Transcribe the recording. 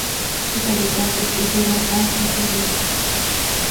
Sus habitantes huyeron a Sicilia.